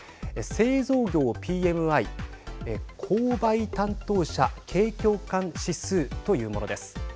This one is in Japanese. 製造業ＰＭＩ＝購買担当者景況感指数というものです。